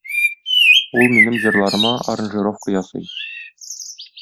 Ул минем җырларыма аранжировка ясый.